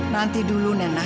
nanti dulu nena